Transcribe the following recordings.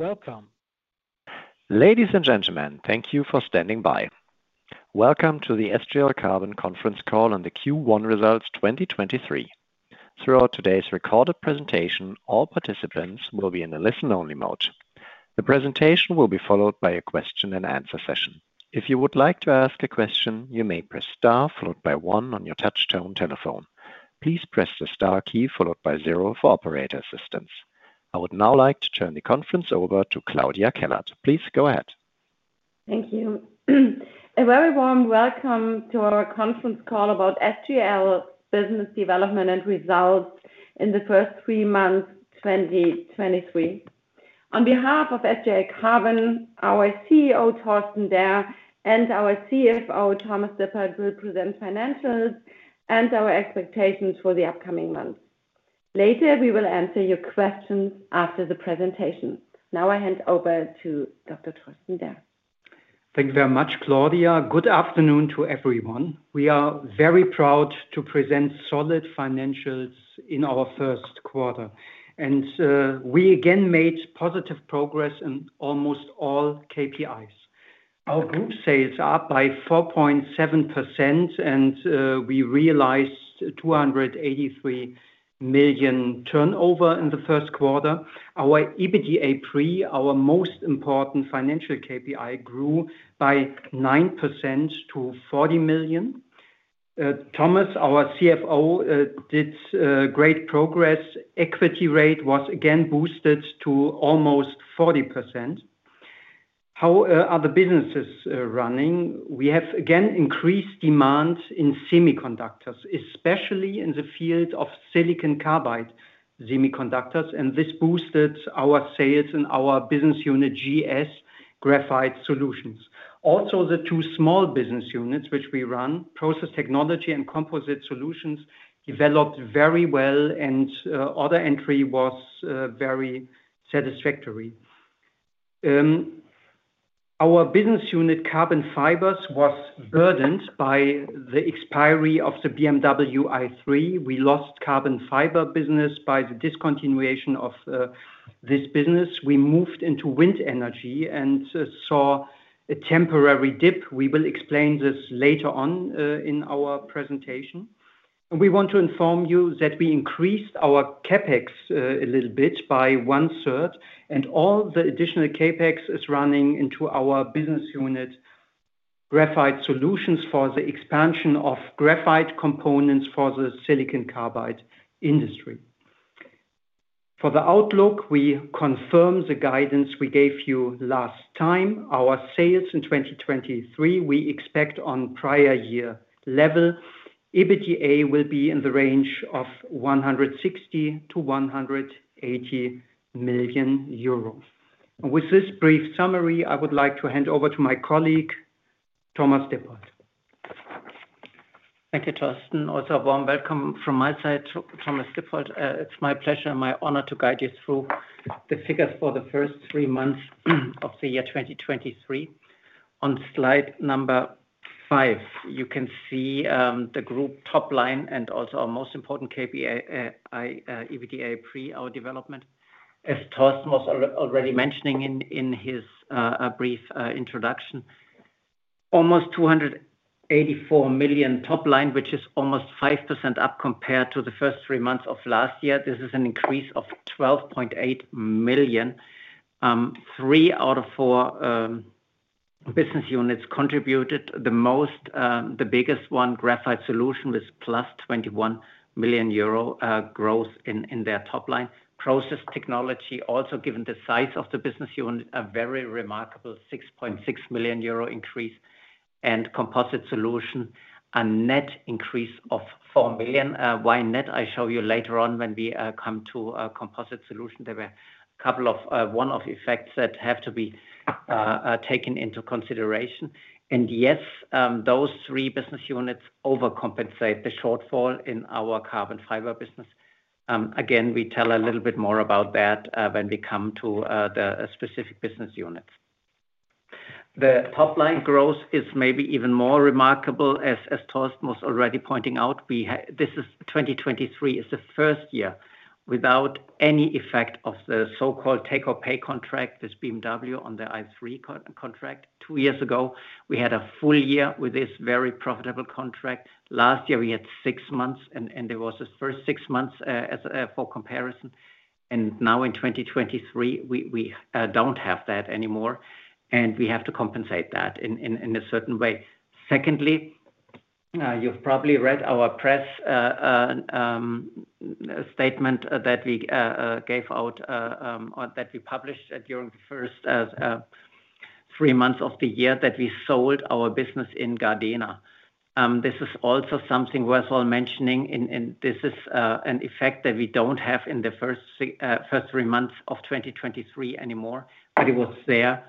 Welcome. Ladies and gentlemen, thank you for standing by. Welcome to the SGL Carbon conference call on the Q1 results 2023. Throughout today's recorded presentation, all participants will be in a listen only mode. The presentation will be followed by a question and answer session. If you would like to ask a question, you may press star followed by one on your touch tone telephone. Please press the star key followed by zero for operator assistance. I would now like to turn the conference over to Claudia Kellert. Please go ahead. Thank you. A very warm welcome to our conference call about SGL business development and results in the first three months, 2023. On behalf of SGL Carbon, our CEO, Torsten Derr, and our CFO, Thomas Dippold, will present financials and our expectations for the upcoming months. Later, we will answer your questions after the presentation. Now I hand over to Dr. Torsten Derr. Thank you very much, Claudia. Good afternoon to everyone. We are very proud to present solid financials in our first quarter. We again made positive progress in almost all KPIs. Our group sales are up by 4.7%, and we realized 283 million turnover in the first quarter. Our EBITDA pre, our most important financial KPI, grew by 9% to 40 million. Thomas, our CFO, did great progress. Equity rate was again boosted to almost 40%. How are the businesses running? We have again increased demand in semiconductors, especially in the field of silicon carbide semiconductors, and this boosted our sales in our business unit GS, Graphite Solutions. Also, the two small business units, which we run, Process Technology and Composite Solutions, developed very well, and other entry was very satisfactory. Our business unit, Carbon Fibers, was burdened by the expiry of the BMW i3. We lost carbon fiber business by the discontinuation of this business. We moved into wind energy and saw a temporary dip. We will explain this later on in our presentation. We want to inform you that we increased our CapEx a little bit by one-third, and all the additional CapEx is running into our business unit, Graphite Solutions, for the expansion of graphite components for the silicon carbide industry. For the outlook, we confirm the guidance we gave you last time. Our sales in 2023, we expect on prior year level. EBITDA will be in the range of 160 million-180 million euros. With this brief summary, I would like to hand over to my colleague, Thomas Dippold. Thank you, Torsten. Also, a warm welcome from my side. Thomas Dippold. It's my pleasure and my honor to guide you through the figures for the first three months of the year 2023. On slide number five, you can see the group top line and also our most important KPI, EBITDA pre, our development. As Torsten was already mentioning in his brief introduction, almost 284 million top line, which is almost 5% up compared to the first three months of last year. This is an increase of 12.8 million. Three out of four business units contributed the most. The biggest one, Graphite Solutions, with plus 21 million euro growth in their top line. Process Technology, also given the size of the business unit, a very remarkable 6.6 million euro increase. Composite Solution, a net increase of 4 million. Why net? I show you later on when we come to Composite Solution. There were a couple of one-off effects that have to be taken into consideration. Yes, those three business units overcompensate the shortfall in our carbon fiber business. Again, we tell a little bit more about that when we come to the specific business units. The top-line growth is maybe even more remarkable. As Torsten was already pointing out, this is 2023. It's the first year without any effect of the so-called take-or-pay contract with BMW on the i3 contract. Two years ago, we had a full year with this very profitable contract. Last year, we had six months, and there was this first six months as for comparison. Now in 2023, we don't have that anymore, and we have to compensate that in a certain way. Secondly, you've probably read our press statement that we gave out or that we published during the first three months of the year that we sold our business in Gardena. This is also something worthwhile mentioning, and this is an effect that we don't have in the first three months of 2023 anymore, but it was there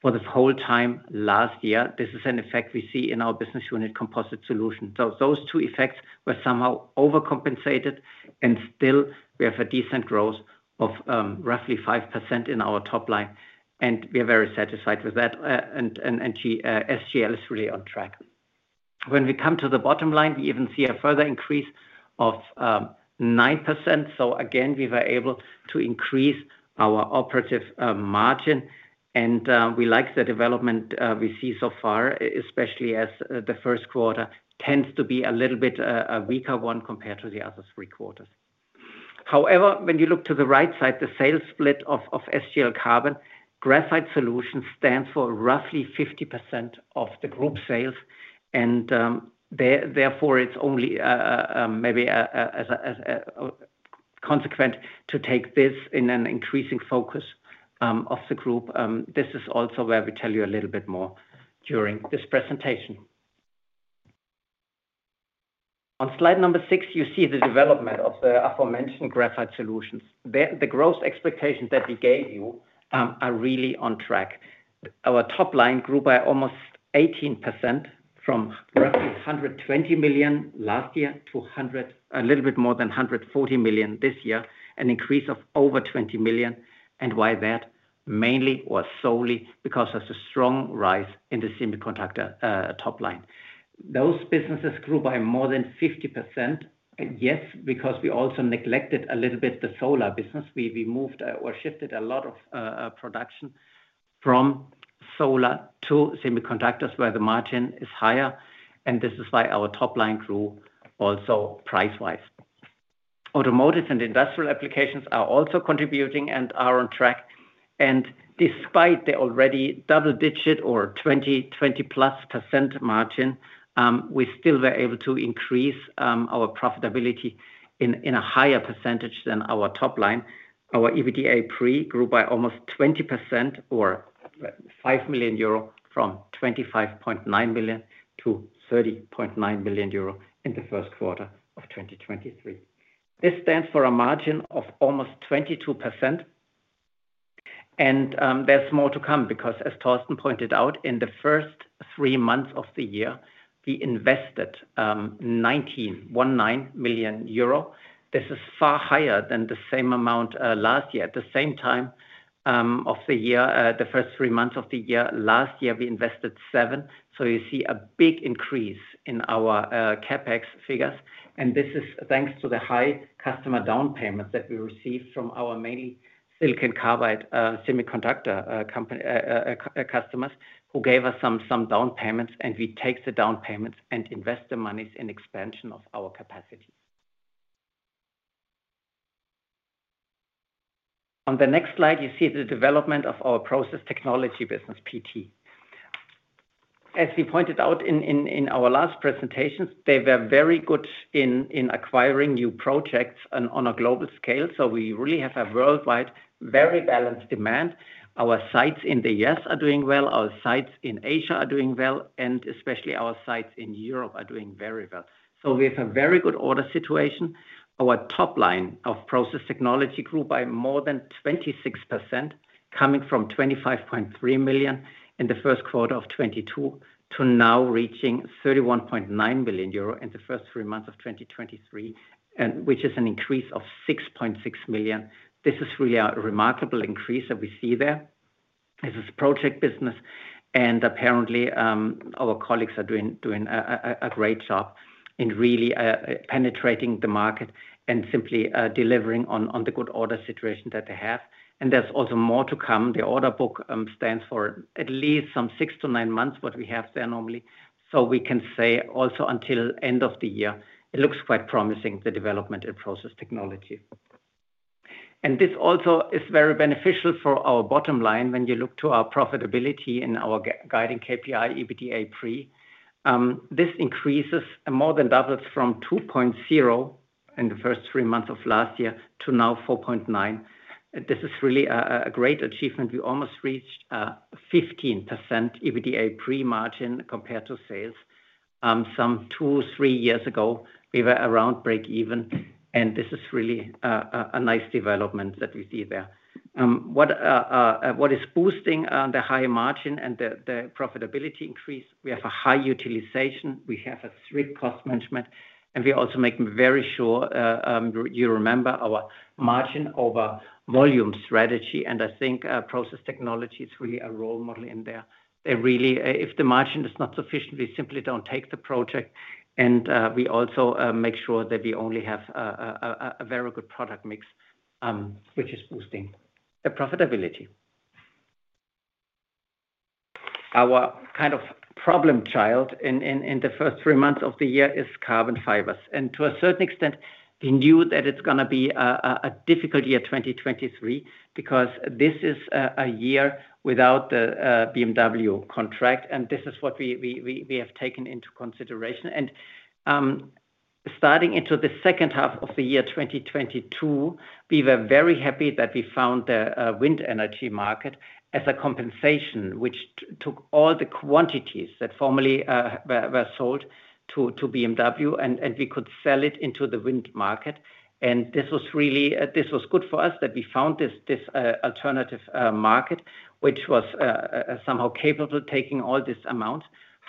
for the whole time last year. This is an effect we see in our business unit Composite Solutions. Those two effects were somehow overcompensated, and still we have a decent growth of roughly 5% in our top line, and we are very satisfied with that. SGL is really on track. When we come to the bottom line, we even see a further increase of 9%. Again, we were able to increase our operative margin, and we like the development we see so far, especially as the first quarter tends to be a little bit a weaker one compared to the other three quarters. When you look to the right side, the sales split of SGL Carbon, Graphite Solutions stands for roughly 50% of the group sales and therefore it's only maybe a consequent to take this in an increasing focus of the group. This is also where we tell you a little bit more during this presentation. On slide number six, you see the development of the aforementioned Graphite Solutions. The growth expectations that we gave you are really on track. Our top line grew by almost 18% from roughly 120 million last year to a little bit more than 140 million this year, an increase of over 20 million. Why that? Mainly or solely because there's a strong rise in the semiconductor top line. Those businesses grew by more than 50%. Because we also neglected a little bit the solar business. We moved or shifted a lot of production from solar to semiconductors where the margin is higher, and this is why our top line grew also price-wise. Automotive and industrial applications are also contributing and are on track. Despite the already double-digit or 20%+ margin, we still were able to increase our profitability in a higher percentage than our top line. Our EBITDA pre grew by almost 20% or 5 million euro from 25.9 billion to 30.9 billion euro in the first quarter of 2023. This stands for a margin of almost 22%. As Torsten pointed out, in the first three months of the year, we invested 19 million euro. This is far higher than the same amount last year. At the same time, the first three months of the year last year, we invested 7 million. You see a big increase in our CapEx figures, and this is thanks to the high customer down payments that we received from our mainly silicon carbide semiconductor customers who gave us some down payments, and we take the down payments and invest the monies in expansion of our capacity. On the next slide, you see the development of our Process Technology business, PT. As we pointed out in our last presentations, they were very good in acquiring new projects on a global scale. We really have a worldwide very balanced demand. Our sites in the U.S. are doing well, our sites in Asia are doing well, and especially our sites in Europe are doing very well. We have a very good order situation. Our top line of Process Technology grew by more than 26%, coming from 25.3 million in the first quarter of 2022 to now reaching 31.9 million euro in the first three months of 2023, which is an increase of 6.6 million. This is really a remarkable increase that we see there. This is project business and apparently, our colleagues are doing a great job in really penetrating the market and simply delivering on the good order situation that they have. There's also more to come. The order book stands for at least some months what we have there normally. We can say also until end of the year, it looks quite promising, the development in Process Technology. This also is very beneficial for our bottom line when you look to our profitability and our guiding KPI, EBITDA pre. This increases and more than doubles from 2.0 in the first three months of last year to now 4.9. This is really a great achievement. We almost reached 15% EBITDA pre-margin compared to sales. Some two, three years ago, we were around breakeven, and this is really a nice development that we see there. What is boosting the high margin and the profitability increase, we have a high utilization, we have a strict cost management, and we also make very sure, you remember our margin over volume strategy, and I think Process Technology is really a role model in there. If the margin is not sufficient, we simply don't take the project, and we also make sure that we only have a very good product mix, which is boosting the profitability. Our kind of problem child in the first three months of the year is Carbon Fibers. To a certain extent, we knew that it's gonna be a difficult year, 2023, because this is a year without the BMW contract, and this is what we have taken into consideration. Starting into the second half of the year 2022, we were very happy that we found the wind energy market as a compensation, which took all the quantities that formerly were sold to BMW and we could sell it into the wind market. This was really good for us that we found this alternative market, which was somehow capable of taking all this amount.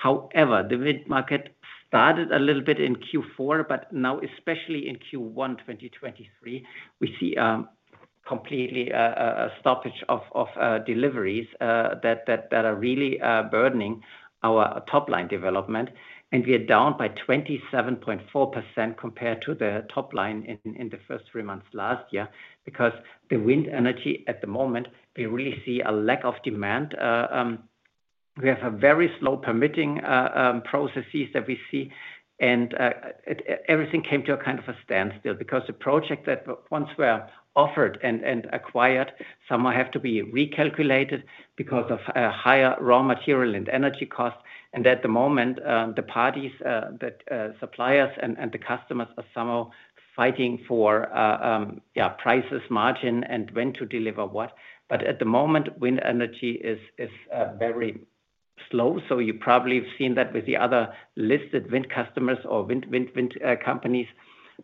The wind market started a little bit in Q4, but now especially in Q1 2023, we see completely a stoppage of deliveries that are really burdening our top line development. We are down by 27.4% compared to the top line in the first three months last year, because the wind energy at the moment, we really see a lack of demand. We have a very slow permitting processes that we see, and everything came to a kind of a standstill because the project that once were offered and acquired, some have to be recalculated because of higher raw material and energy costs. At the moment, the parties, the suppliers and the customers are somehow fighting for prices, margin, and when to deliver what. At the moment, wind energy is very slow, so you probably have seen that with the other listed wind customers or wind companies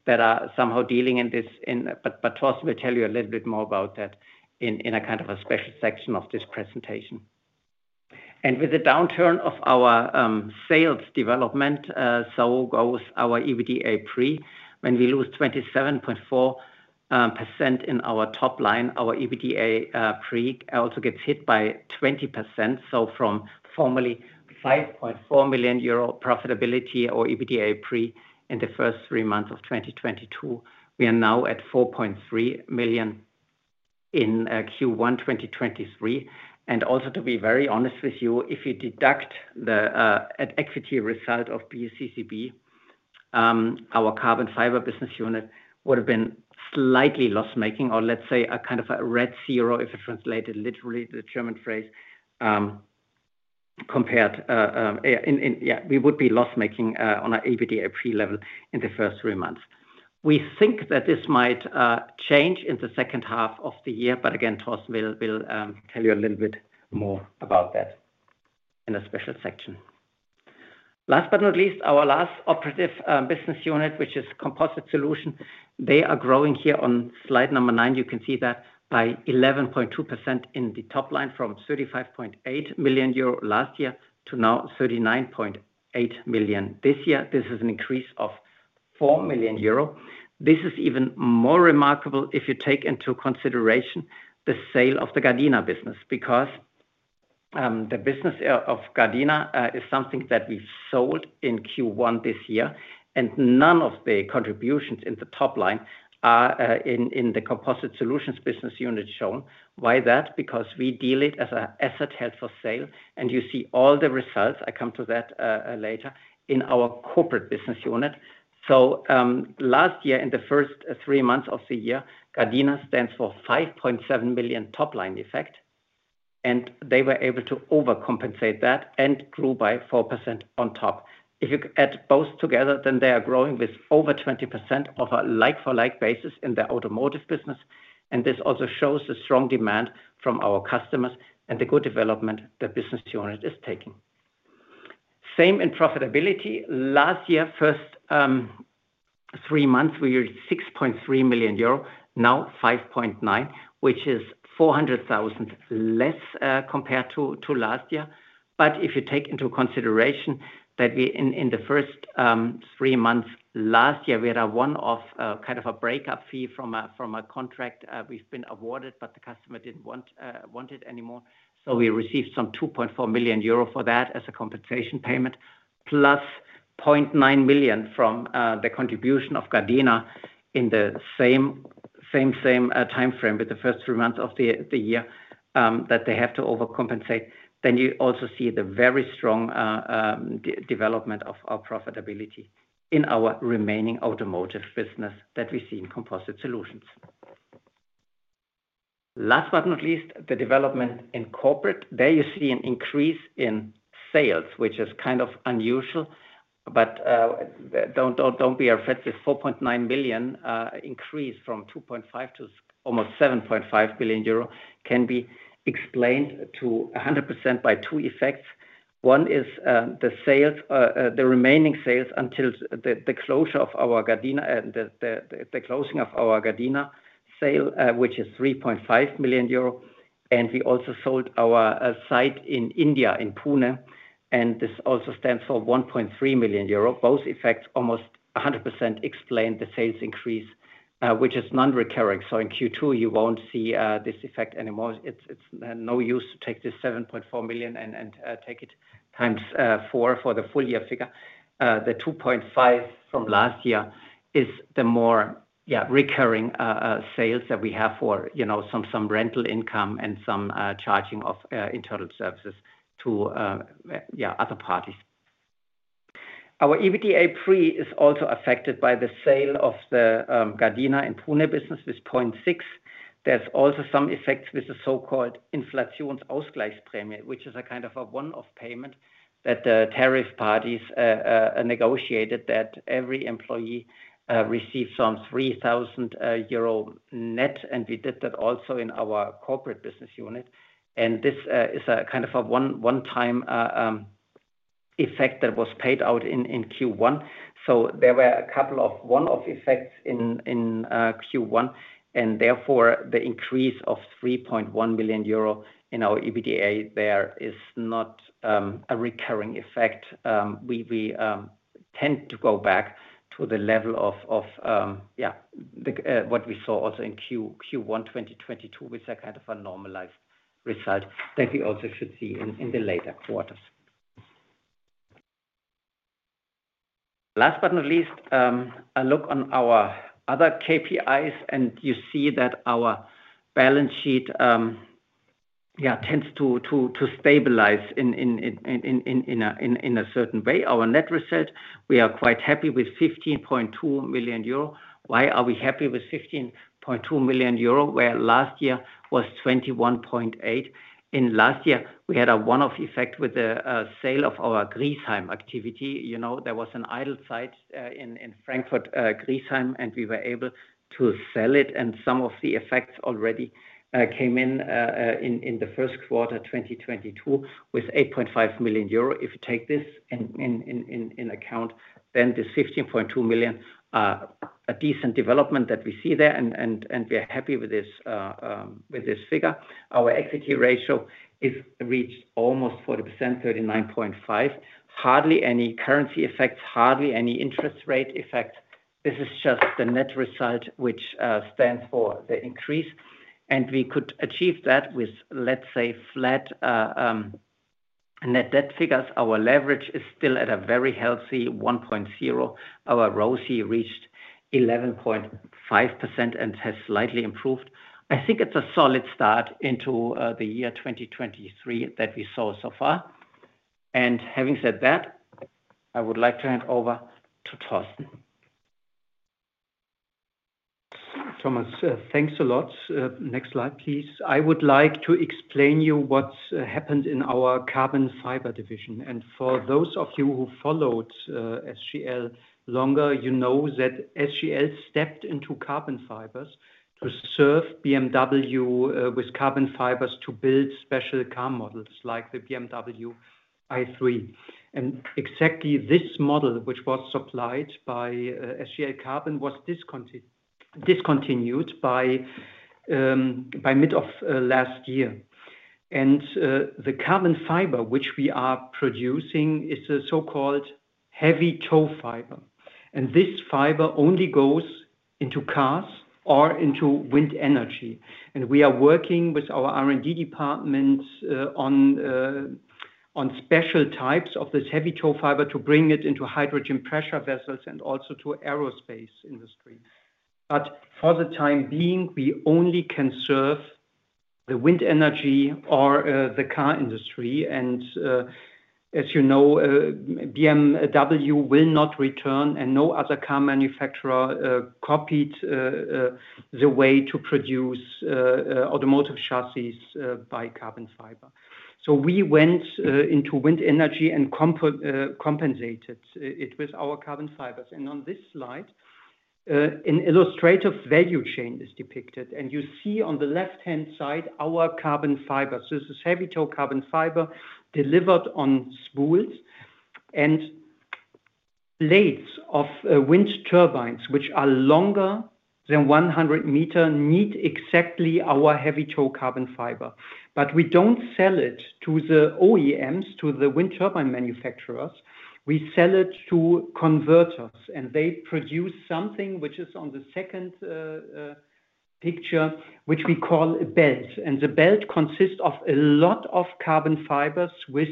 that are somehow dealing in this. Torsten Derr will tell you a little bit more about that in a kind of a special section of this presentation. With the downturn of our sales development, so goes our EBITDA pre. When we lose 27.4% in our top line, our EBITDA pre also gets hit by 20%. From formerly 5.4 million euro profitability or EBITDA pre in the first three months of 2022, we are now at 4.3 million in Q1 2023. Also, to be very honest with you, if you deduct the at equity result of PCCB, our Carbon Fibers business unit would have been slightly loss-making or let's say a kind of a red zero, if it translated literally to the German phrase, We would be loss-making on our EBITDA pre level in the first three months. We think that this might change in the second half of the year, again, Torsten will tell you a little bit more about that in a special section. Last but not least, our last operative business unit, which is Composite Solutions, they are growing here on slide 9. You can see that by 11.2% in the top line from 35.8 million euro last year to now 39.8 million this year. This is an increase of 4 million euro. This is even more remarkable if you take into consideration the sale of the Gardena business. The business of Gardena is something that we sold in Q1 this year, and none of the contributions in the top line are in the Composite Solutions business unit shown. Why that? We deal it as an asset held for sale, and you see all the results, I come to that later, in our corporate business unit. Last year in the first three months of the year, Gardena stands for 5.7 million top line effect. They were able to overcompensate that and grew by 4% on top. You add both together, they are growing with over 20% of a like-for-like basis in the automotive business. This also shows the strong demand from our customers and the good development the business unit is taking. Same in profitability. Last year, first three months, we were at 6.3 million euro. Now 5.9 million, which is 400,000 less compared to last year. If you take into consideration that we, in the first three months last year, we had a one-off kind of a breakup fee from a contract we've been awarded, but the customer didn't want it anymore. We received some 2.4 million euro for that as a compensation payment, plus 0.9 million from the contribution of Gardena in the same timeframe with the first three months of the year that they have to overcompensate. You also see the very strong de-development of our profitability in our remaining automotive business that we see in Composite Solutions. Last but not least, the development in Corporate. There you see an increase in sales, which is kind of unusual, but don't be afraid. This 4.9 million increase from 2.5 million to almost 7.5 billion euro can be explained to 100% by two effects. One is the sales, the remaining sales until the closure of our Gardena, the closing of our Gardena sale, which is 3.5 million euro. We also sold our site in India, in Pune, and this also stands for 1.3 million euro. Both effects almost 100% explain the sales increase, which is non-recurring. In Q2, you won't see this effect anymore. It's no use to take this 7.4 million and take it x4 for the full year figure. The 2.5 million from last year is the more, yeah, recurring sales that we have for, you know, some rental income and some charging of internal services to, yeah, other parties. Our EBITDA pre is also affected by the sale of the Gardena and Pune business with 0.6. There's also some effects with the so-called Inflationsausgleichsprämie, which is a kind of a one-off payment that the tariff parties negotiated that every employee receives some 3,000 euro net, and we did that also in our corporate business unit. This is a kind of a one-time effect that was paid out in Q1. There were a couple of one-off effects in Q1. Therefore, the increase of 3.1 million euro in our EBITDA is not a recurring effect. We tend to go back to the level of what we saw also in Q1 2022 with a kind of a normalized result that we also should see in the later quarters. Last but not least, a look on our other KPIs. You see that our balance sheet tends to stabilize in a certain way. Our net result, we are quite happy with 15.2 million euro. Why are we happy with 15.2 million euro, where last year was 21.8 million? In last year, we had a one-off effect with the sale of our Griesheim activity. You know, there was an idle site in Frankfurt, Griesheim, and we were able to sell it. Some of the effects already came in in the first quarter 2022 with 8.5 million euro. If you take this in account, then the 15.2 million, a decent development that we see there and we are happy with this figure. Our equity ratio is reached almost 40%, 39.5%. Hardly any currency effects, hardly any interest rate effect. This is just the net result which stands for the increase. We could achieve that with, let's say, flat net debt figures. Our leverage is still at a very healthy 1.0. Our ROCE reached 11.5% and has slightly improved. I think it's a solid start into the year 2023 that we saw so far. Having said that, I would like to hand over to Torsten. Thomas, thanks a lot. Next slide, please. I would like to explain you what's happened in our Carbon Fibers division. For those of you who followed SGL longer, you know that SGL stepped into carbon fibers to serve BMW with carbon fibers to build special car models like the BMW i3. Exactly this model, which was supplied by SGL Carbon, was discontinued by mid of last year. The carbon fiber which we are producing is a so-called heavy tow fiber. This fiber only goes into cars or into wind energy. We are working with our R&D department on special types of this heavy tow fiber to bring it into hydrogen pressure vessels and also to aerospace industry. For the time being, we only can serve the wind energy or the car industry. As you know, BMW will not return, and no other car manufacturer copied the way to produce automotive chassis by carbon fiber. We went into wind energy and compensated it with our carbon fibers. On this slide, an illustrative value chain is depicted. You see on the left-hand side our carbon fibers. This is heavy tow carbon fiber delivered on spools and blades of wind turbines, which are longer than 100 meter, need exactly our heavy tow carbon fiber. We don't sell it to the OEMs, to the wind turbine manufacturers. We sell it to converters, and they produce something which is on the second picture, which we call a belt. The belt consists of a lot of carbon fibers with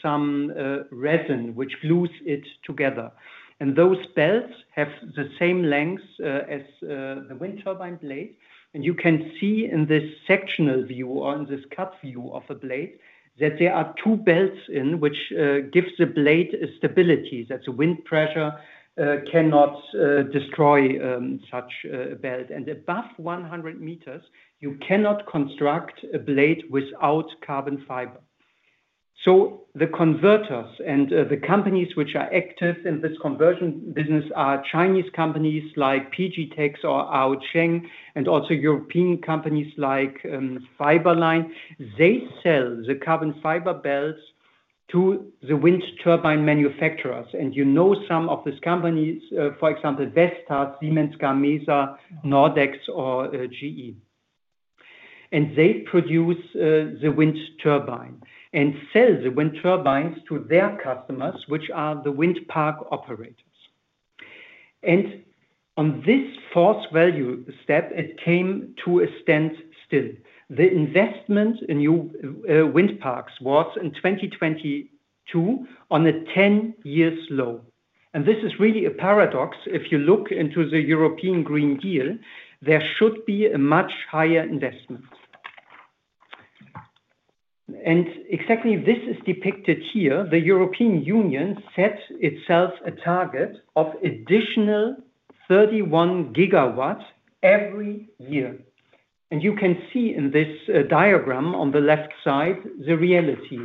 some resin which glues it together. Those belts have the same length as the wind turbine blade. You can see in this sectional view or in this cut view of a blade that there are two belts in which gives the blade a stability, that the wind pressure cannot destroy such belt. Above 100 meters, you cannot construct a blade without carbon fiber. The converters and the companies which are active in this conversion business are Chinese companies like PGTEX or Aocheng, and also European companies like Fiberline. They sell the carbon fiber belts to the wind turbine manufacturers. You know some of these companies, for example, Vestas, Siemens Gamesa, Nordex or GE. They produce the wind turbine and sell the wind turbines to their customers, which are the wind park operators. On this fourth value step, it came to a standstill. The investment in new wind parks was in 2022 on a 10-year low. This is really a paradox. If you look into the European Green Deal, there should be a much higher investment. Exactly this is depicted here. The European Union set itself a target of additional 31 GW every year. You can see in this diagram on the left side the reality.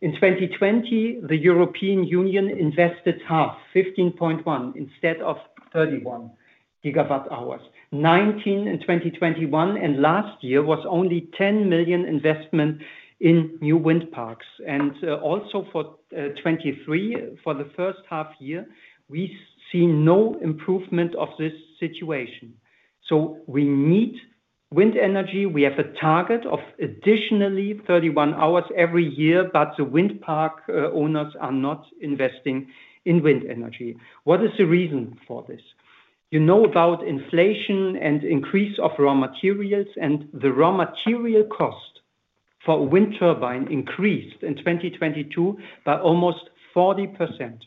In 2020, the European Union invested half, 15.1 GW hours instead of 31 GW hours. 19 GW hours in 2021, and last year was only 10 million investment in new wind parks. Also for 2023, for the first half year, we see no improvement of this situation. We need wind energy. We have a target of additionally 31 hours every year, but the wind park owners are not investing in wind energy. What is the reason for this? You know about inflation and increase of raw materials, and the raw material cost for wind turbine increased in 2022 by almost 40%.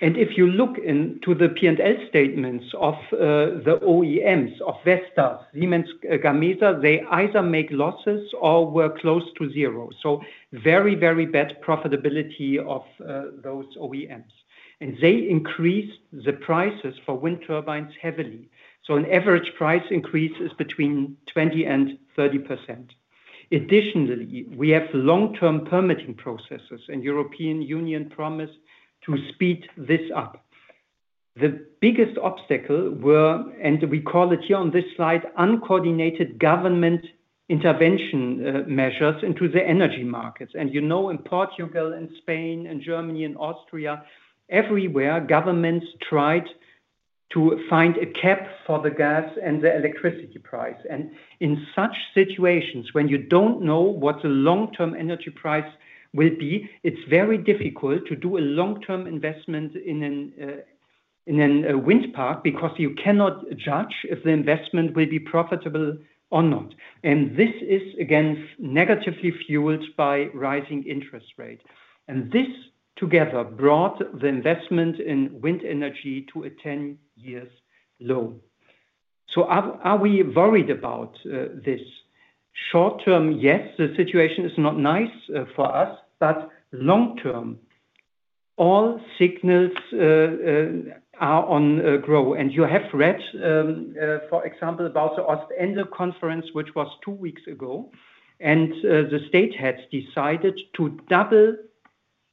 If you look into the P&L statements of the OEMs, of Vestas, Siemens Gamesa, they either make losses or were close to zero. Very, very bad profitability of those OEMs. They increased the prices for wind turbines heavily, so an average price increase is between 20%-30%. Additionally, we have long-term permitting processes. European Union promised to speed this up. The biggest obstacle were, and we call it here on this slide, uncoordinated government intervention measures into the energy markets. You know, in Portugal and Spain and Germany and Austria, everywhere, governments tried to find a cap for the gas and the electricity price. In such situations, when you don't know what the long-term energy price will be, it's very difficult to do a long-term investment in an wind park because you cannot judge if the investment will be profitable or not. This is, again, negatively fueled by rising interest rate. This together brought the investment in wind energy to a 10 years low. Are we worried about this? Short-term, yes, the situation is not nice for us, but long-term, all signals are on grow. You have read, for example, about the Ostend Conference, which was two weeks ago, the state has decided to double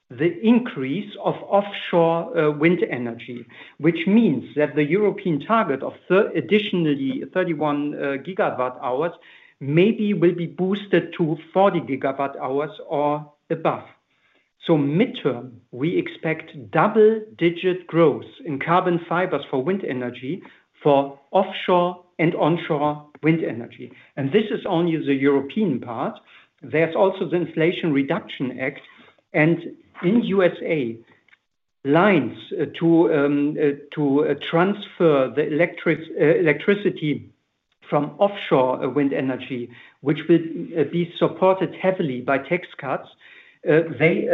the increase of offshore wind energy, which means that the European target of additionally 31 GW hours maybe will be boosted to 40 GW hours or above. Midterm, we expect double-digit growth in Carbon Fibers for wind energy, for offshore and onshore wind energy. This is only the European part. There's also the Inflation Reduction Act. In USA, lines to transfer the electricity from offshore wind energy, which will be supported heavily by tax cuts, they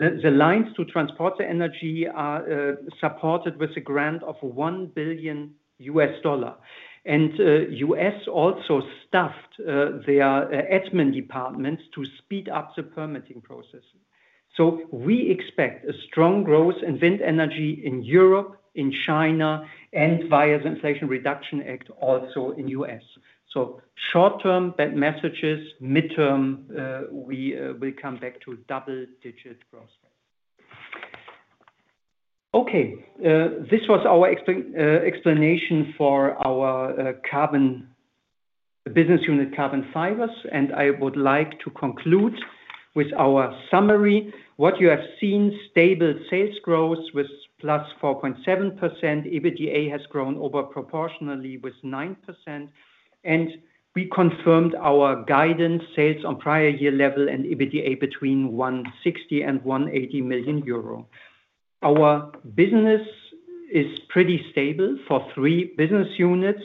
the lines to transport the energy are supported with a grant of $1 billion. U.S. also staffed their admin departments to speed up the permitting process. We expect a strong growth in wind energy in Europe, in China, and via the Inflation Reduction Act, also in U.S. Midterm, we will come back to double-digit growth rates. This was our explanation for our business unit Carbon Fibers, and I would like to conclude with our summary. What you have seen, stable sales growth with +4.7%. EBITDA has grown over proportionally with 9%. We confirmed our guidance sales on prior year level and EBITDA between 160 million-180 million euro. Our business is pretty stable for three business units.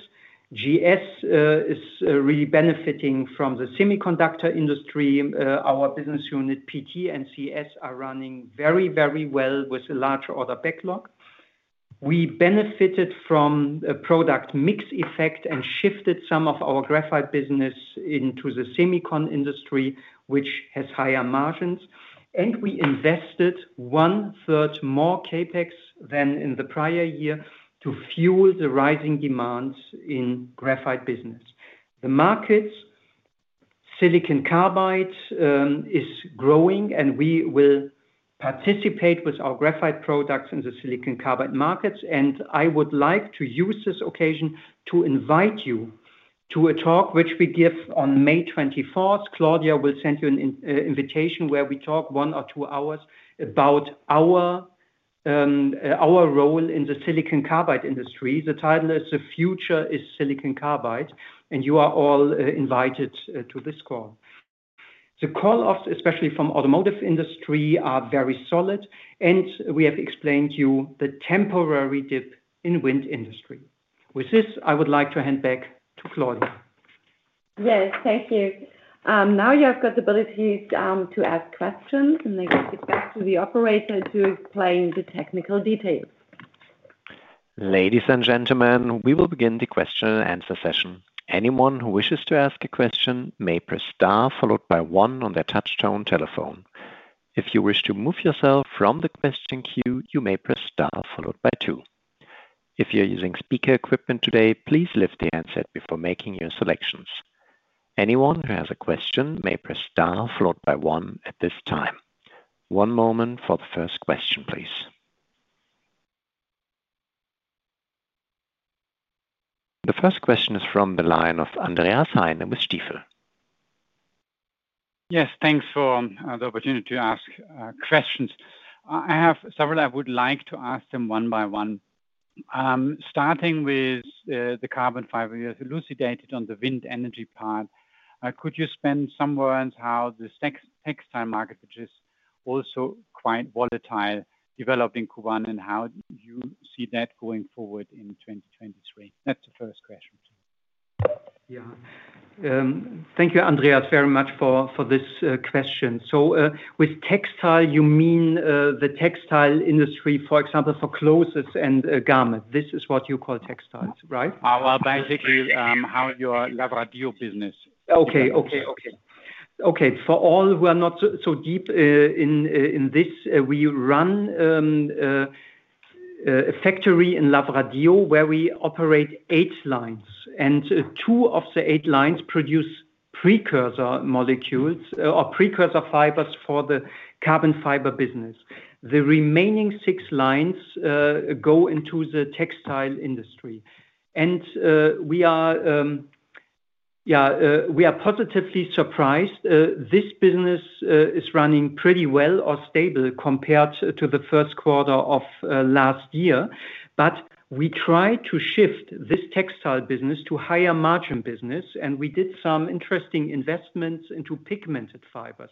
GS is really benefiting from the semiconductor industry. Our business unit PT and CS are running very, very well with a large order backlog. We benefited from a product mix effect and shifted some of our graphite business into the semicon industry, which has higher margins. We invested one-third more CapEx than in the prior year to fuel the rising demands in graphite business. The markets, silicon carbide, is growing. We will participate with our graphite products in the silicon carbide markets. I would like to use this occasion to invite you to a talk which we give on May 24th. Claudia will send you an invitation where we talk one or two hours about our role in the silicon carbide industry. The title is The Future is Silicon Carbide. You are all invited to this call. The call-offs, especially from automotive industry, are very solid. We have explained to you the temporary dip in wind industry. With this, I would like to hand back to Claudia. Yes. Thank you. Now you have got the ability to ask questions, and I give it back to the operator to explain the technical details. Ladies and gentlemen, we will begin the question and answer session. Anyone who wishes to ask a question may press star followed by one on their touch-tone telephone. If you wish to remove yourself from the question queue, you may press star followed by two. If you're using speaker equipment today, please lift the handset before making your selections. Anyone who has a question may press star followed by one at this time. One moment for the first question, please. The first question is from the line of Andreas Heine with Stifel. Yes, thanks for the opportunity to ask questions. I have several. I would like to ask them one by one. Starting with the carbon fiber, you elucidated on the wind energy part. Could you spend some words how the textile market, which is also quite volatile, developed in Q1 and how you see that going forward in 2023? That's the first question. Thank you, Andreas, very much for this question. With textile, you mean, the textile industry, for example, for clothes and garment. This is what you call textiles, right? Well, basically, how your Lavradio business? For all who are not so deep in this, we run a factory in Lavradio where we operate eight lines, and two of the 8 lines produce precursor molecules or precursor fibers for the Carbon Fibers business. The remaining 6 lines go into the textile industry. We are positively surprised. This business is running pretty well or stable compared to the first quarter of last year. We try to shift this textile business to higher margin business, and we did some interesting investments into pigmented fibers.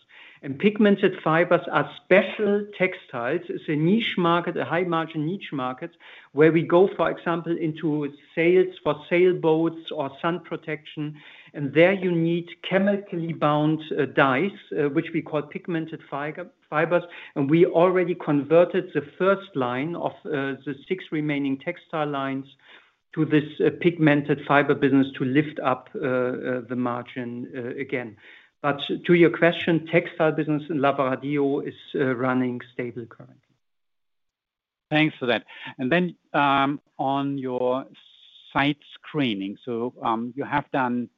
Pigmented fibers are special textiles. It's a niche market, a high-margin niche market, where we go, for example, into sails for sailboats or sun protection. There you need chemically bound dyes, which we call pigmented fibers. We already converted the first line of the six remaining textile lines to this pigmented fiber business to lift up the margin again. To your question, textile business in Lavradio is running stable currently. Thanks for that. On your site screening. You have done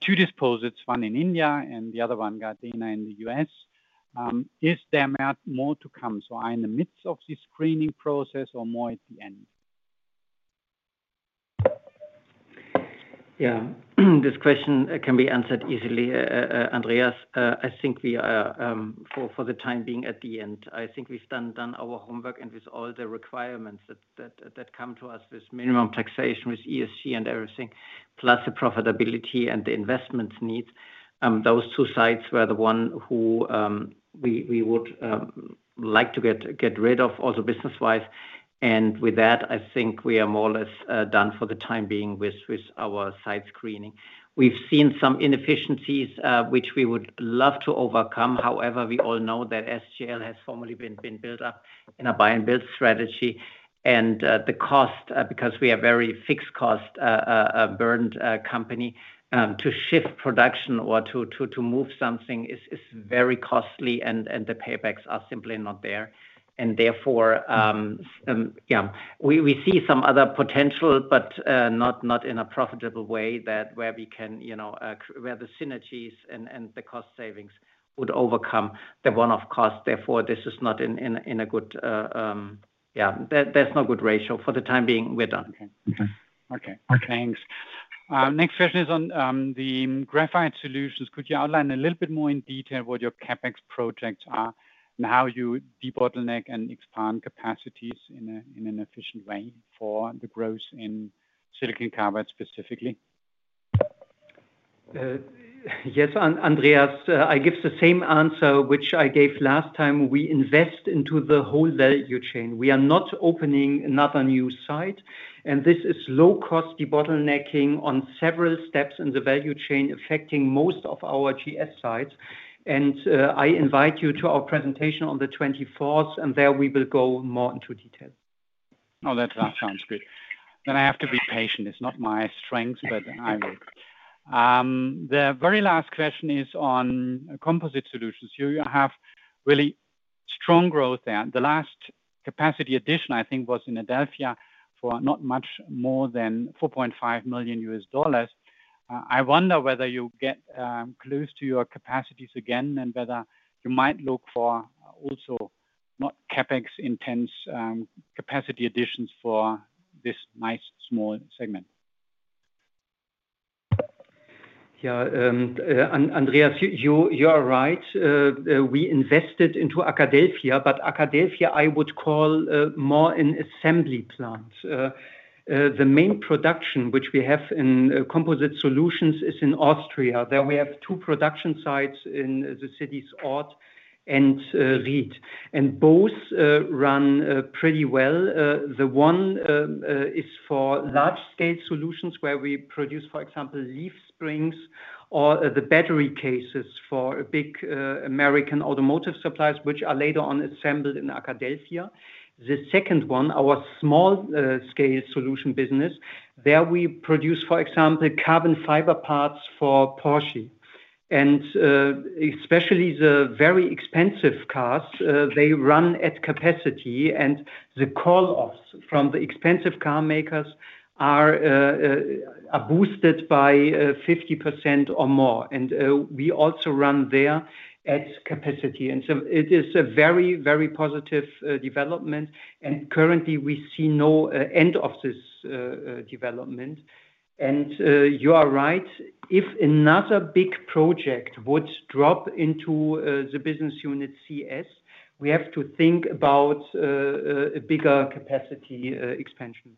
two disposals, one in India and the other one, Gardena, in the U.S. Is there more to come? Are you in the midst of the screening process or more at the end? This question can be answered easily, Andreas. I think we are for the time being at the end. I think we've done our homework and with all the requirements that come to us with minimum taxation, with ESG and everything, plus the profitability and the investment needs, those two sites were the one who we would like to get rid of also business-wise. With that, I think we are more or less done for the time being with our site screening. We've seen some inefficiencies which we would love to overcome. We all know that SGL has formally been built up in a buy and build strategy. The cost, because we are very fixed cost, burned, company, to shift production or to move something is very costly and the paybacks are simply not there. Therefore, yeah, we see some other potential, but, not in a profitable way that where we can, you know, where the synergies and the cost savings would overcome the one-off cost. Therefore, this is not in a good, yeah, there's no good ratio. For the time being, we're done. Okay. Okay. Thanks. Next question is on, the Graphite Solutions. Could you outline a little bit more in detail what your CapEx projects are and how you debottleneck and expand capacities in an efficient way for the growth in silicon carbide specifically? Yes, Andreas, I give the same answer which I gave last time. We invest into the whole value chain. We are not opening another new site, and this is low-cost debottlenecking on several steps in the value chain affecting most of our GS sites. I invite you to our presentation on the 24th, and there we will go more into details. Oh, that sounds good. I have to be patient. It's not my strength, I will. The very last question is on Composite Solutions. You have really strong growth there. The last capacity addition, I think, was in Arkadelphia for not much more than $4.5 million. I wonder whether you get close to your capacities again and whether you might look for also not CapEx intense capacity additions for this nice small segment. Yeah, Andreas, you are right. We invested into Arkadelphia, but Arkadelphia I would call more an assembly plant. The main production which we have in Composite Solutions is in Austria. There we have two production sites in the cities Ort and Ried, and both run pretty well. The one is for large scale solutions where we produce, for example, leaf springs or the battery cases for big American automotive suppliers, which are later on assembled in Arkadelphia. The second one, our small scale solution business, there we produce, for example, carbon fiber parts for Porsche. Especially the very expensive cars, they run at capacity, and the call outs from the expensive car makers are boosted by 50% or more. We also run there at capacity. So it is a very, very positive development. Currently we see no end of this development. You are right. If another big project would drop into the business unit CS, we have to think about a bigger capacity expansion.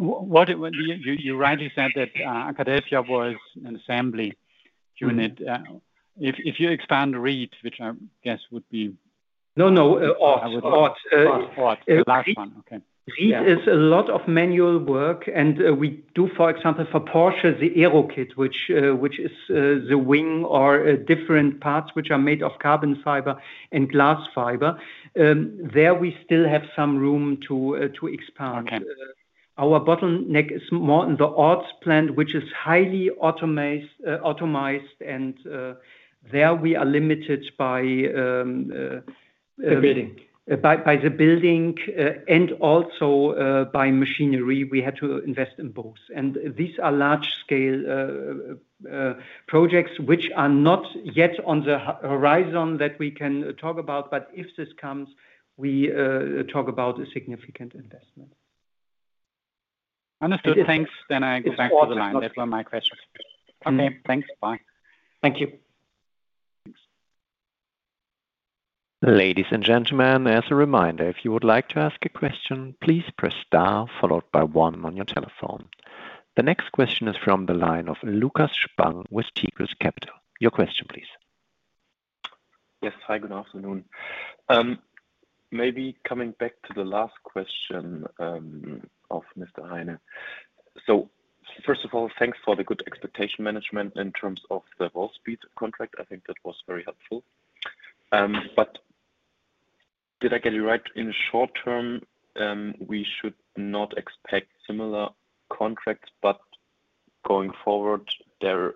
You rightly said that, Arkadelphia was an assembly unit. If you expand Ried, which I guess would be. No, no, Ort. Ort. Ort. The last one. Okay. Ried is a lot of manual work, and we do, for example, for Porsche, the Aerokit, which is the wing or different parts which are made of carbon fiber and glass fiber. There we still have some room to expand. Okay. Our bottleneck is more in the Ort plant, which is highly automized and there we are limited by. The building. By the building and also by machinery. We had to invest in both. These are large scale projects which are not yet on the horizon that we can talk about, but if this comes, we talk about a significant investment. Understood. Thanks. I go back to the line. That were my questions. Okay. Thanks. Bye. Thank you. Ladies and gentlemen, as a reminder, if you would like to ask a question, please press star followed by one on your telephone. The next question is from the line of Lukas Spang with Tigris Capital. Your question please. Yes. Hi, good afternoon. maybe coming back to the last question of Mr. Heine. first of all, thanks for the good expectation management in terms of the Wolfspeed contract. I think that was very helpful. did I get it right, in short term, we should not expect similar contracts, going forward there,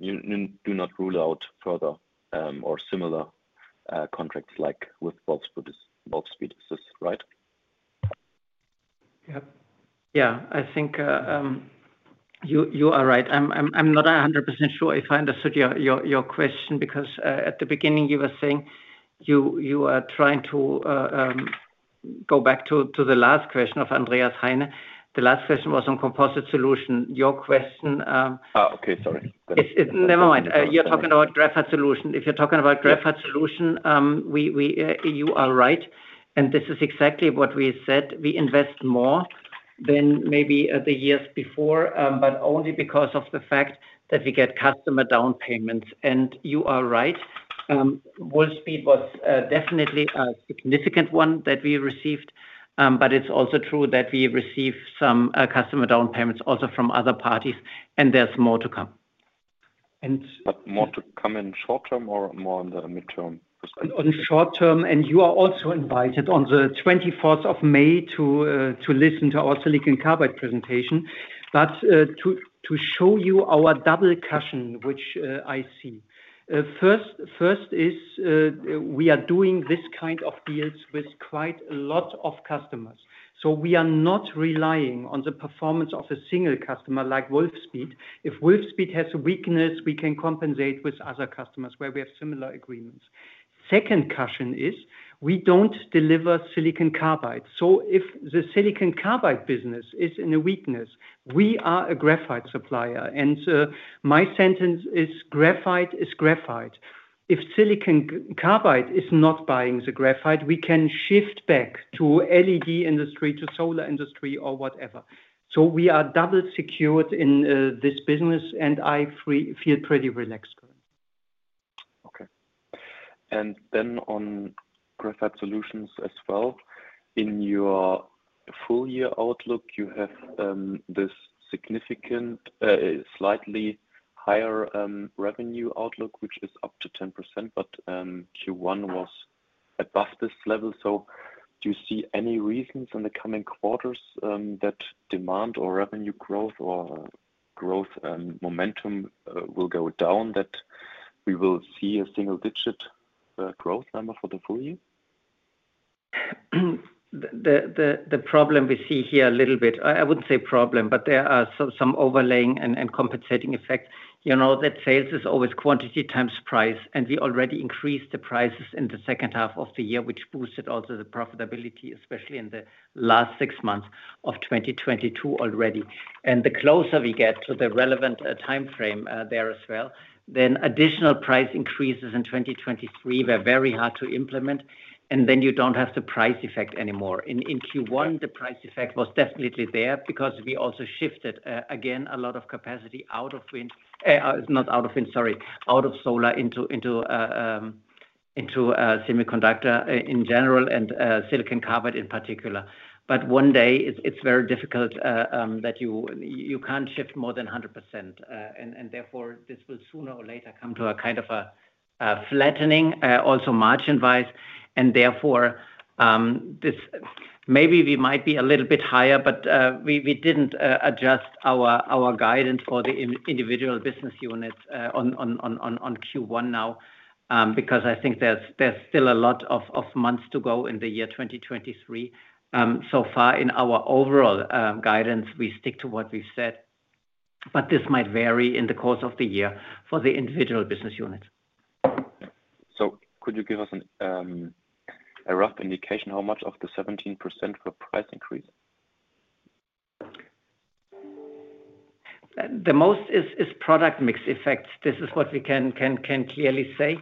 You do not rule out further, or similar, contracts like with Wolfspeed. Is this right? Yeah. Yeah. I think, you are right. I'm not 100% sure if I understood your question because, at the beginning you were saying you are trying to go back to the last question of Andreas Heine. The last question was on Composite Solutions. Your question. Oh, okay. Sorry. It's. Never mind. You're talking about Graphite Solutions. If you're talking about Graphite Solutions, we, you are right, and this is exactly what we said. We invest more than maybe the years before, but only because of the fact that we get customer down payments. You are right, Wolfspeed was definitely a significant one that we received, but it's also true that we received some customer down payments also from other parties, and there's more to come. More to come in short term or more in the midterm perspective? On short term, you are also invited on the 24th of May to listen to our silicon carbide presentation. To show you our double cushion, which I see. First is, we are doing this kind of deals with quite a lot of customers. We are not relying on the performance of a single customer like Wolfspeed. If Wolfspeed has a weakness, we can compensate with other customers where we have similar agreements. Second cushion is we don't deliver silicon carbide. If the silicon carbide business is in a weakness, we are a graphite supplier. My sentence is graphite is graphite. If silicon carbide is not buying the graphite, we can shift back to LED industry, to solar industry or whatever. We are double secured in this business, and I feel pretty relaxed. Okay. On Graphite Solutions as well, in your full year outlook, you have this significant, slightly higher revenue outlook, which is up to 10%, but Q1 was above this level. Do you see any reasons in the coming quarters that demand or revenue growth or growth momentum will go down, that we will see a single digit growth number for the full year? The problem we see here a little bit, I wouldn't say problem, but there are some overlaying and compensating effect. You know that sales is always quantity times price, and we already increased the prices in the second half of the year, which boosted also the profitability, especially in the last six months of 2022 already. The closer we get to the relevant timeframe there as well, then additional price increases in 2023 were very hard to implement, and then you don't have the price effect anymore. In Q1, the price effect was definitely there because we also shifted again a lot of capacity out of wind. Not out of wind, sorry, out of solar into semiconductor in general and silicon carbide in particular. One day it's very difficult that you can't shift more than 100%. Therefore, this will sooner or later come to a kind of a flattening, also margin-wise, and therefore, maybe we might be a little bit higher, but we didn't adjust our guidance for the individual business units on Q1 now, because I think there's still a lot of months to go in the year 2023. Far in our overall guidance, we stick to what we said, but this might vary in the course of the year for the individual business units. Could you give us an a rough indication how much of the 17% were price increase? The most is product mix effect. This is what we can clearly say.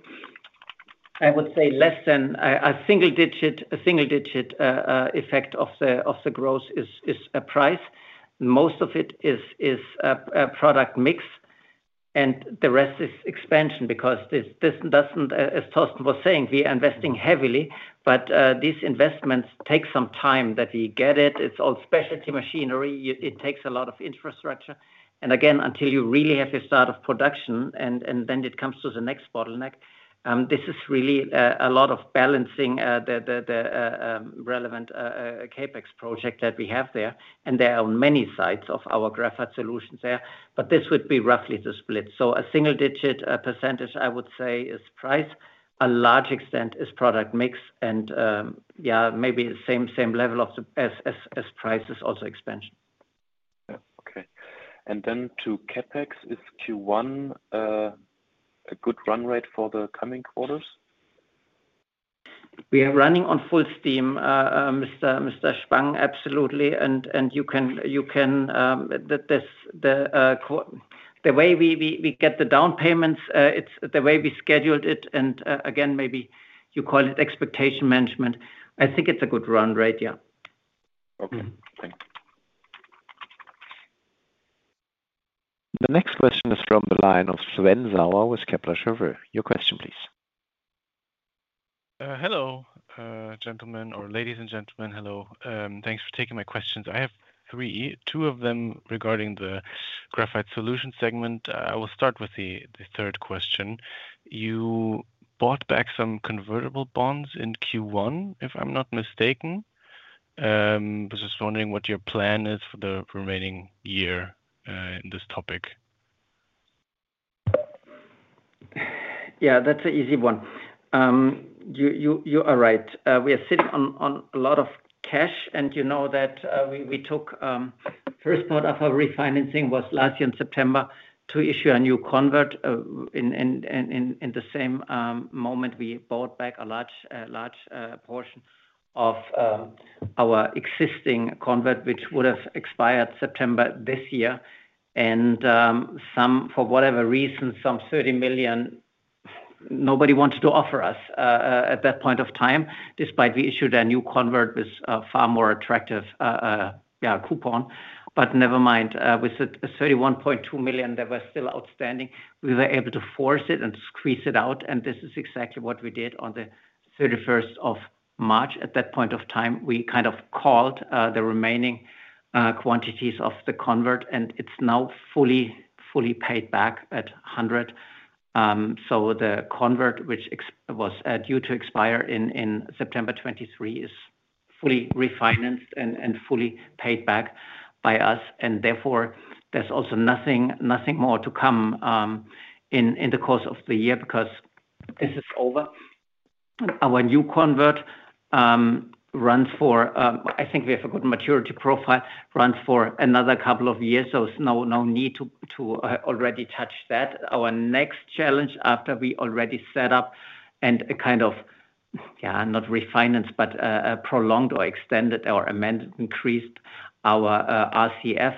I would say less than a single digit, a single digit effect of the growth is price. Most of it is a product mix, and the rest is expansion because this doesn't, as Torsten was saying, we are investing heavily, but these investments take some time that we get it. It's all specialty machinery. It takes a lot of infrastructure. Again, until you really have your start of production and then it comes to the next bottleneck, this is really a lot of balancing the relevant CapEx project that we have there. There are many sides of our Graphite Solutions there. This would be roughly the split. A single digit percent I would say is price. A large extent is product mix and, yeah, maybe the same level of the as price is also expansion. Yeah. Okay. To CapEx, is Q1 a good run rate for the coming quarters? We are running on full steam, Mr. Spang, absolutely. You can the way we get the down payments, it's the way we scheduled it, and again, maybe you call it expectation management. I think it's a good run rate, yeah. Okay. Thank you. The next question is from the line of Sven Sauer with Kepler Cheuvreux. Your question, please. Hello, gentlemen or ladies and gentlemen. Hello. Thanks for taking my questions. I have three. Two of them regarding the Graphite Solutions segment. I will start with the third question. You bought back some convertible bonds in Q1, if I'm not mistaken. I was just wondering what your plan is for the remaining year in this topic. That's a easy one. You are right. We are sitting on a lot of cash, and you know that, we took first part of our refinancing was last year in September to issue a new convert, in the same moment we bought back a large portion of our existing convert, which would have expired September this year. Some, for whatever reason, some 30 million nobody wanted to offer us at that point of time, despite we issued a new convert with a far more attractive coupon. Never mind. With the 31.2 million that was still outstanding, we were able to force it and squeeze it out, and this is exactly what we did on the 31st of March. At that point of time, we kind of called the remaining quantities of the convert, and it's now fully paid back at 100. The convert which was due to expire in September 2023 is fully refinanced and fully paid back by us and therefore there's also nothing more to come in the course of the year because this is over. Our new convert runs for, I think we have a good maturity profile, runs for another couple of years, so there's no need to already touch that. Our next challenge after we already set up and kind of, yeah, not refinance, but prolonged or extended or amended, increased our RCF,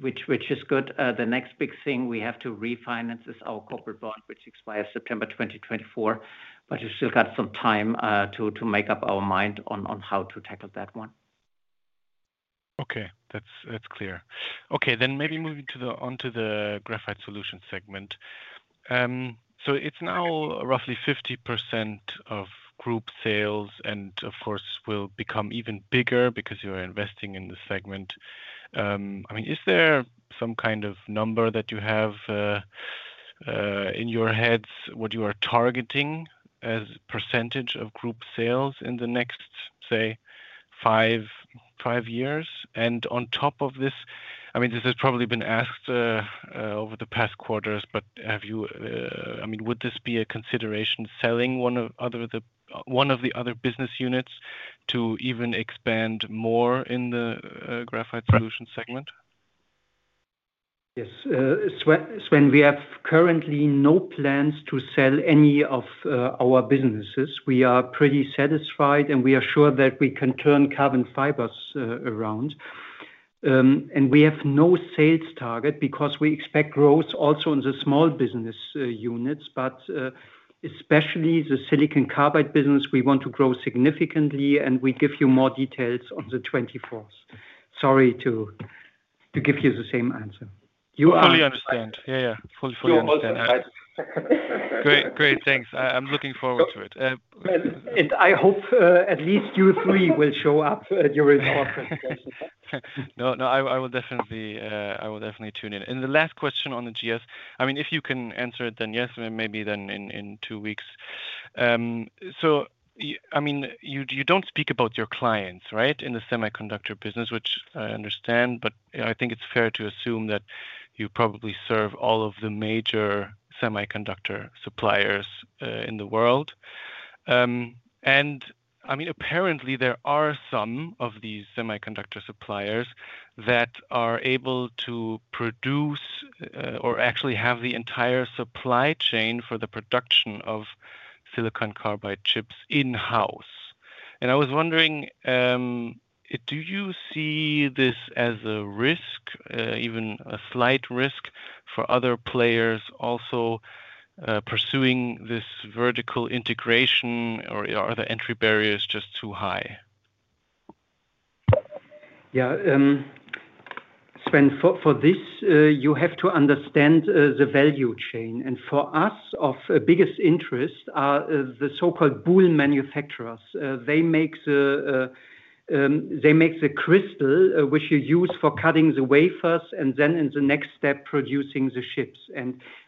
which is good. The next big thing we have to refinance is our corporate bond, which expires September 2024, but we've still got some time to make up our mind on how to tackle that one. Okay. That's, that's clear. Okay, maybe moving onto the Graphite Solutions segment. It's now roughly 50% of group sales and, of course, will become even bigger because you are investing in this segment. I mean, is there some kind of number that you have in your heads what you are targeting as percentage of group sales in the next, say, five years? On top of this, I mean, this has probably been asked over the past quarters, but have you, I mean, would this be a consideration selling one of the other business units to even expand more in the Graphite Solutions segment? Yes. Sven, we have currently no plans to sell any of our businesses. We are pretty satisfied, and we are sure that we can turn Carbon Fibers around. We have no sales target because we expect growth also in the small business units. Especially the silicon carbide business, we want to grow significantly, and we give you more details on the 24th. Sorry to give you the same answer. You are. Fully understand. Yeah. Fully understand. You're welcome. Great. Great. Thanks. I'm looking forward to it. I hope, at least you three will show up at your important session. No, no, I will definitely tune in. The last question on the GS, I mean, if you can answer it, then yes, maybe then in two weeks. I mean, you don't speak about your clients, right, in the semiconductor business, which I understand, but I think it's fair to assume that you probably serve all of the major semiconductor suppliers in the world. I mean, apparently there are some of these semiconductor suppliers that are able to produce or actually have the entire supply chain for the production of silicon carbide chips in-house. I was wondering, do you see this as a risk, even a slight risk for other players also pursuing this vertical integration, or are the entry barriers just too high? Sven, for this, you have to understand the value chain. For us, of biggest interest are the so-called boule manufacturers. They make the crystal, which you use for cutting the wafers and then in the next step producing the chips.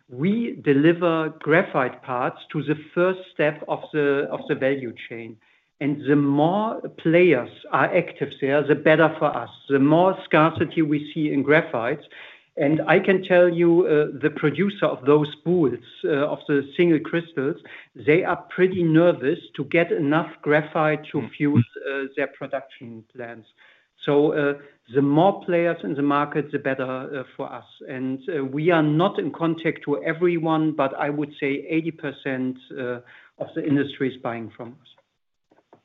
We deliver graphite parts to the first step of the value chain. The more players are active there, the better for us. The more scarcity we see in graphite. I can tell you, the producer of those boules, of the single crystals, they are pretty nervous to get enough graphite to fuel their production plans. The more players in the market, the better for us. We are not in contact to everyone, but I would say 80%, of the industry is buying from us.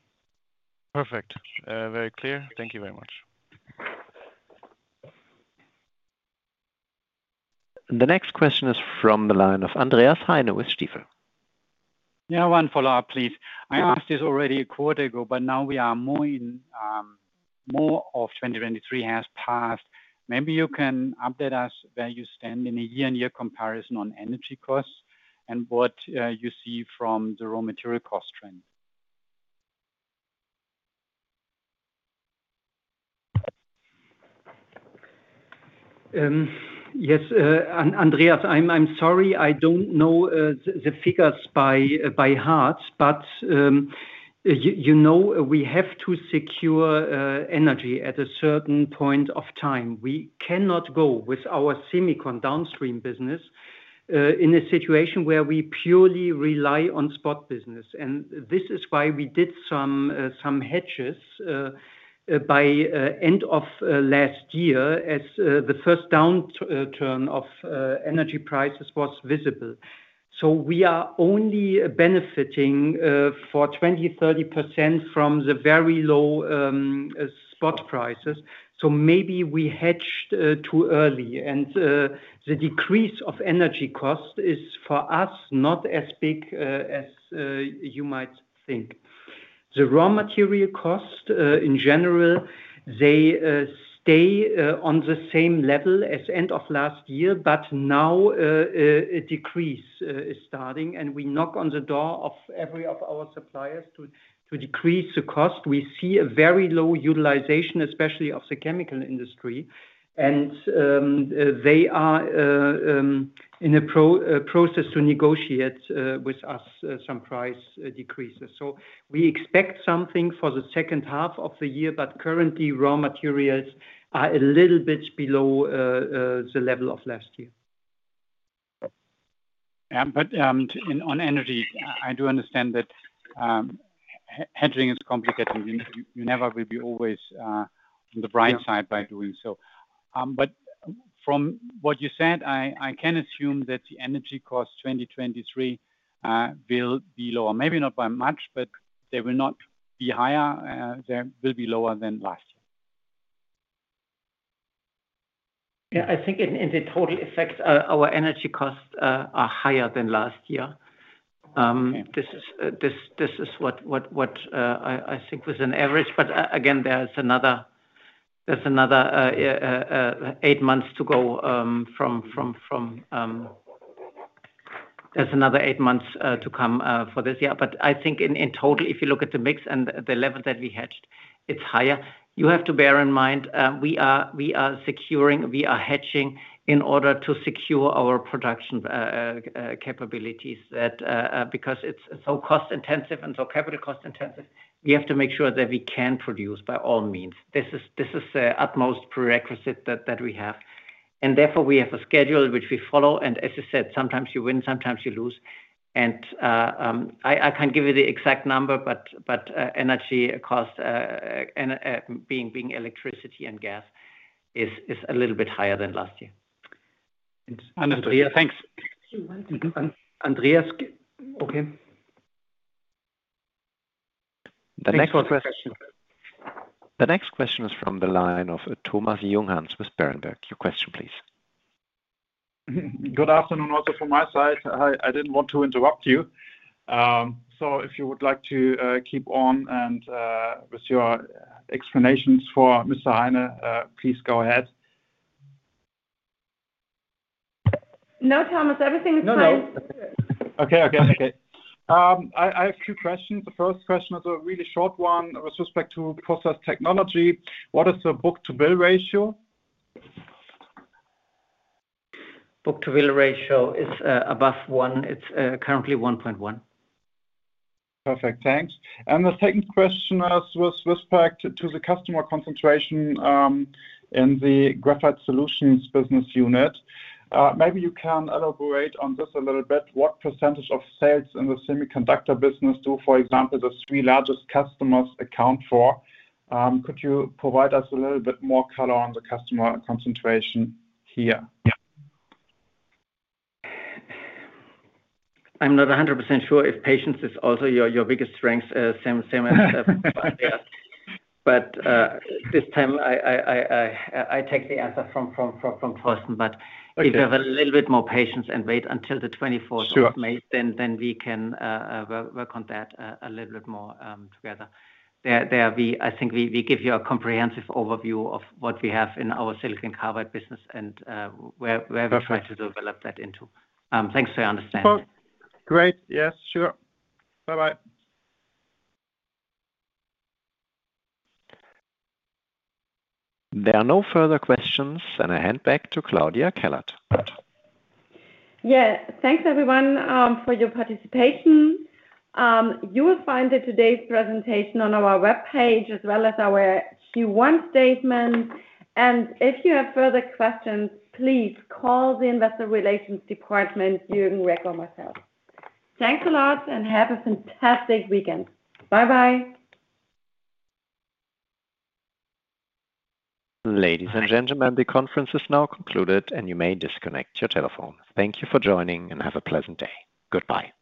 Perfect. Very clear. Thank you very much. The next question is from the line of Andreas Heine with Stifel. One follow-up, please. I asked this already a quarter ago. Now we are more of 2023 has passed. Maybe you can update us where you stand in a year-on-year comparison on energy costs and what you see from the raw material cost trend. Andreas, I'm sorry, I don't know the figures by heart. You know we have to secure energy at a certain point of time. We cannot go with our semicon downstream business in a situation where we purely rely on spot business. This is why we did some hedges by end of last year as the first downturn of energy prices was visible. We are only benefiting for 20%, 30% from the very low spot prices. Maybe we hedged too early. The decrease of energy cost is, for us, not as big as you might think. The raw material cost, in general, they stay on the same level as end of last year. Now, a decrease is starting, and we knock on the door of every of our suppliers to decrease the cost. We see a very low utilization, especially of the chemical industry, and they are in a process to negotiate with us some price decreases. We expect something for the second half of the year, but currently, raw materials are a little bit below the level of last year. Yeah. On energy, I do understand that hedging is complicated. You never will be always on the bright side by doing so. From what you said, I can assume that the energy costs 2023 will be lower. Maybe not by much, but they will not be higher. They will be lower than last year. Yeah. I think in the total effect, our energy costs are higher than last year. Okay. This is what I think was an average. Again, there's another eight months to go. There's another eight months to come for this year. I think in total, if you look at the mix and the level that we hedged, it's higher. You have to bear in mind, we are securing, we are hedging in order to secure our production capabilities. That because it's so cost-intensive and so capital cost-intensive, we have to make sure that we can produce by all means. This is the utmost prerequisite that we have. Therefore, we have a schedule which we follow. As I said, sometimes you win, sometimes you lose. I can't give you the exact number, but energy costs, and being electricity and gas is a little bit higher than last year. Understood. Thanks. Andreas. Okay. Thanks for the question. The next question is from the line of Thomas Junghanns with Berenberg. Your question, please. Good afternoon also from my side. I didn't want to interrupt you. If you would like to keep on and with your explanations for Mr. Heine, please go ahead. No, Thomas, everything is fine. No, no. Okay. Okay. Okay. I have two questions. The first question is a really short one with respect to Process Technology. What is the book-to-bill ratio? Book-to-bill ratio is above 1. It's currently 1.1. Perfect. Thanks. The second question is with respect to the customer concentration in the Graphite Solutions business unit. Maybe you can elaborate on this a little bit. What percent of sales in the semiconductor business do, for example, the three largest customers account for? Could you provide us a little bit more color on the customer concentration here? Yeah. I'm not 100% sure if patience is also your biggest strength, same as. This time I take the answer from Torsten. Okay. If you have a little bit more patience and wait until the 24th. Sure. Of May, then we can work on that a little bit more together. I think we give you a comprehensive overview of what we have in our silicon carbide business and where we try to develop that into. Thanks for your understanding. Of course. Great. Yes, sure. Bye-bye. There are no further questions, and I hand back to Claudia Kellert. Yeah. Thanks everyone, for your participation. You will find the today's presentation on our webpage as well as our Q1 statement. If you have further questions, please call the investor relations department, Jürgen Reck or myself. Thanks a lot, and have a fantastic weekend. Bye-bye. Ladies and gentlemen, the conference is now concluded, and you may disconnect your telephone. Thank you for joining, and have a pleasant day. Goodbye.